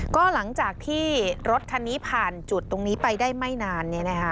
ก็หลังจากที่รถคันนี้ผ่านจุดตรงนี้ไปได้ไม่นาน